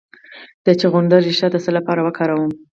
د چغندر ریښه د څه لپاره وکاروم؟